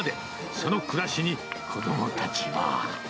その暮らしに、子どもたちは。